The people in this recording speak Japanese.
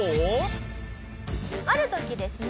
ある時ですね